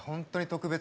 特別。